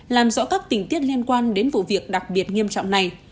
làm rõ các tình tiết liên quan đến vụ việc đặc biệt nghiêm trọng này